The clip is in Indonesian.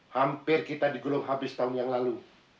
hampir kita digulung habis tahun yang lalu